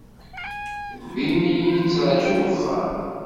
Din i k-yetraju wexxam.